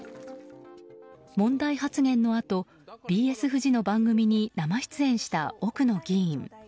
問題発言のあとＢＳフジの番組に生出演した奥野議員。